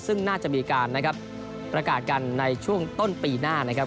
ซึ่งน่าจะมีการนะครับประกาศกันในช่วงต้นปีหน้านะครับ